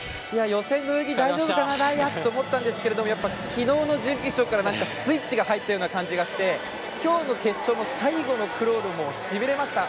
予選の泳ぎ、大也は大丈夫かなと思ったんですが昨日の準決勝からスイッチが入ったような感じがして今日の決勝の最後のクロールもしびれました。